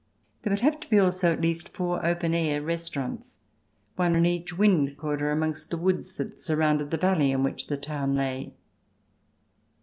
There would have to be also at least four open air restaurants — one in each wind quarter amongst the woods that surrounded the valley in which the town lay.